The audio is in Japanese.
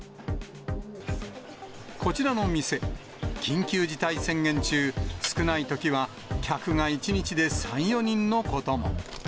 こちらの店、緊急事態宣言中、少ないときは客が１日で３、４人のことも。